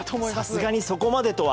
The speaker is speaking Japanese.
さすがにそこまでとは。